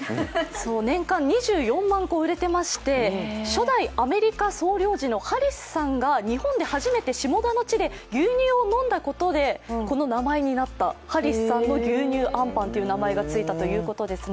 年間２４万個売れてまして、初代アメリカ総領事のハリスさんが日本で初めて下田の地で牛乳を飲んだことで、ハリスさんの牛乳あんパンという名前が付いたということです。